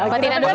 pantina dulu deh